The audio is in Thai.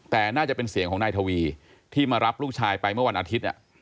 แต่น่าจะเป็นเสียงของนายทวีที่มารับลูกชายไปเมื่อวันอาทิตย์